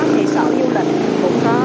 thì sở du lịch cũng có